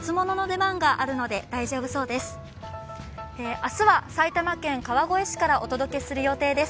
明日は埼玉県川越市からお届けする予定です。